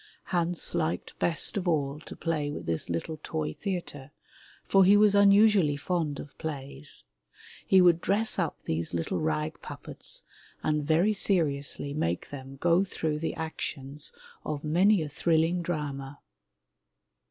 Hans liked best of all to play with this little toy theatre, for he was unusually fond of plays. He would dress up these little rag pup pets and very seriously make them go through the actions of many a thrilling drama.